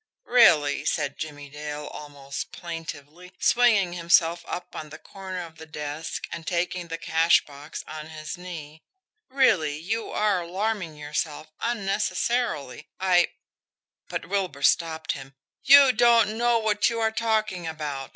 "Really," said Jimmie Dale, almost plaintively, swinging himself up on the corner of the desk and taking the cash box on his knee, "really, you are alarming yourself unnecessarily. I " But Wilbur stopped him. "You don't know what you are talking about!"